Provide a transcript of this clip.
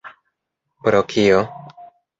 Pro kio?